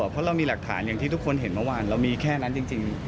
เพราะเรามีหลักฐานอย่างที่ทุกคนเห็นเมื่อวานเรามีแค่นั้นจริง